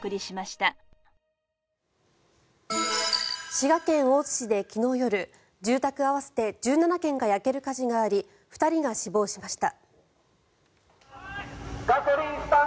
滋賀県大津市で昨日夜住宅合わせて１７軒が焼ける火事があり２人が死亡しました。